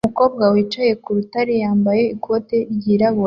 Umukobwa wicaye ku rutare yambaye ikote ryirabura